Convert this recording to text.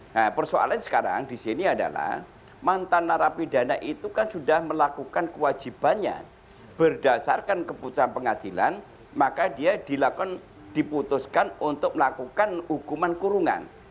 nah persoalan sekarang di sini adalah mantan narapidana itu kan sudah melakukan kewajibannya berdasarkan keputusan pengadilan maka dia dilakukan diputuskan untuk melakukan hukuman kurungan